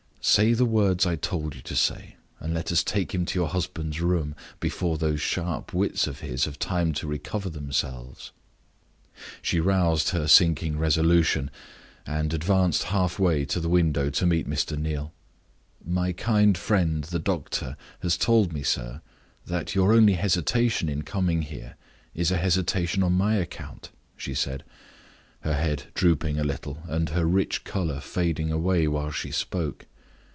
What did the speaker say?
Say the words I told you to say, and let us take him to your husband's room, before those sharp wits of his have time to recover themselves." She roused her sinking resolution, and advanced half way to the window to meet Mr. Neal. "My kind friend, the doctor, has told me, sir, that your only hesitation in coming here is a hesitation on my account," she said, her head drooping a little, and her rich color fading away while she spoke.